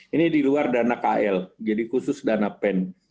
ini di luar dana kl jadi khusus dana pen